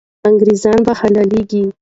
انګریزان به حلالېږي.